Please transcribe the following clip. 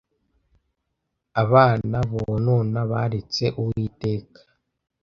abana bonona baretse Uwiteka,